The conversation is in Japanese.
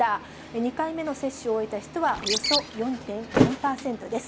２回目の接種を終えた人はおよそ４．４％です。